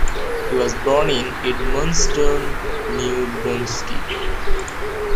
He was born in Edmundston, New Brunswick.